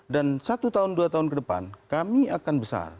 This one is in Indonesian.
dan satu tahun dua tahun ke depan kami akan besar